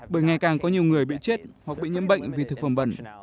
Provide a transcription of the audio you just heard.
bởi ngày càng có nhiều người bị chết hoặc bị nhiễm bệnh vì thực phẩm bẩn